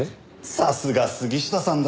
さすが杉下さんだ。